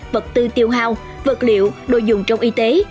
vật tư tiêu hao vật liệu đồ dùng trong y tế